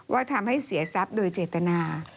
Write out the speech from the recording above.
ว่าทำให้เสียทรัพย์โดยเจตนา